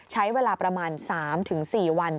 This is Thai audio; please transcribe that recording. ใช้เวลาประมาณ๓๔วัน